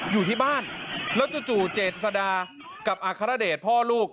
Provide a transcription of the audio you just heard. อยู่ที่บ้านแล้วจู่เจษดากับอัครเดชพ่อลูก